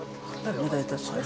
お願いいたします。